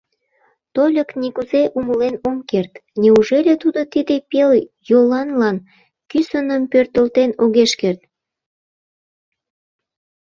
Тольык нигузе умылен ом керт, неужели тудо тиде пел йоланлан кӱсыным пӧртылтен огеш керт?